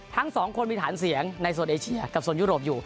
ทั้งสองคนมีฐานเสียงในโซนเอเชียกับโซนยุโรปอยู่